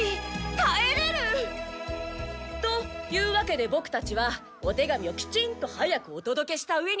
帰れる！というわけでボクたちはお手紙をきちんと早くおとどけしたうえに。